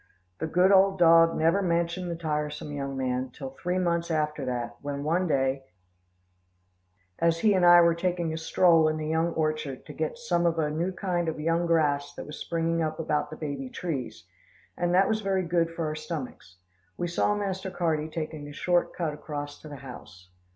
The good old dog never mentioned the tiresome young man, till three months after that, when one day, as he and I were taking a stroll in the young orchard to get some of a new kind of young grass that was springing up about the baby trees, and that was very good for our stomachs, we saw Master Carty taking a short cut across to the house.